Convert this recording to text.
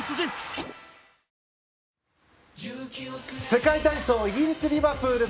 世界体操イギリス・リバプール。